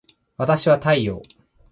わたしは太陽